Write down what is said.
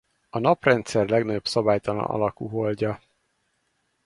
A Naprendszer legnagyobb szabálytalan alakú holdja.